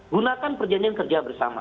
gunakan perjanjian kerja bersama